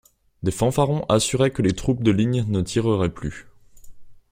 Des fanfarons assuraient que les troupes de ligne ne tireraient plus.